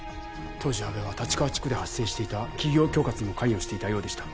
当時阿部は立川地区で発生していた企業恐喝にも関与していたようでした。